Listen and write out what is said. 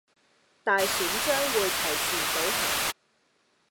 大選將會提前舉行